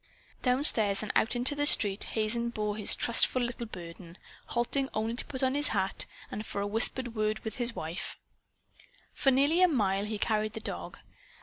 Downstairs and out into the street Hazen bore his trustful little burden, halting only to put on his hat, and for a whispered word with his wife. For nearly a mile he carried the dog.